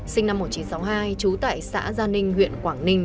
sinh năm một nghìn chín trăm sáu mươi hai trú tại xã gia ninh huyện quảng ninh